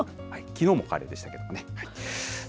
きのうもカレーでしたけどもね。